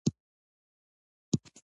بلخ ډیر ګرم اوړی لري